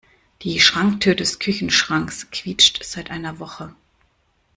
Die Schranktür des Küchenschranks quietscht seit einer Woche.